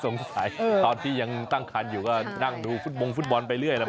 สงสัยตอนที่ยังตั้งครันอยู่ก็นั่งดูผู้ชมประธงฟุตบอลไปเรื่อยแล้วมั้ย